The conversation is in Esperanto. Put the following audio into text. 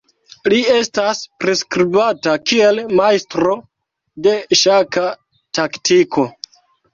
Li estas priskribata kiel majstro de ŝaka taktiko.